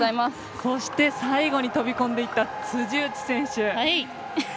そして、最後に飛び込んでいった辻内選手。